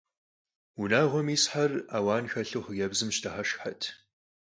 Унагъуэм исхэр ауан хэлъу хъыджэбзым щыдыхьэшххэрт.